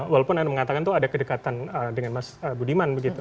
walaupun anda mengatakan ada kedekatan dengan mas budiman